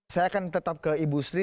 saya akan tetap ke ibu sri